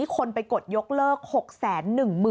คนไปกดยกเลิก๖๑๐๐๐